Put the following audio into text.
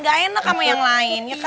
gak enak sama yang lain